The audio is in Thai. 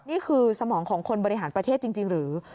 นี่คือสมองของคนบริหารประเทศจริงหรือ